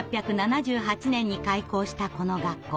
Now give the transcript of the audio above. １８７８年に開校したこの学校。